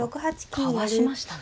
かわしましたね。